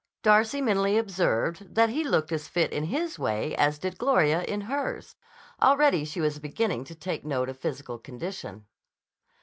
Darcy mentally observed that he looked as fit in his way as did Gloria in hers. Already she was beginning to take note of physical condition.